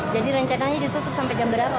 jadi rencananya ditutup sampai jam berapa